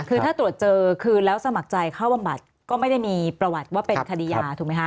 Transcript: คือถ้าตรวจเจอคือแล้วสมัครใจเข้าบำบัดก็ไม่ได้มีประวัติว่าเป็นคดียาถูกไหมคะ